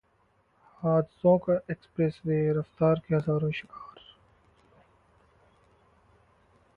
हादसों का एक्सप्रेस-वेः रफ्तार के हजारों शिकार